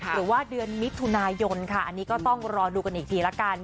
หรือว่าเดือนมิถุนายนค่ะอันนี้ก็ต้องรอดูกันอีกทีละกัน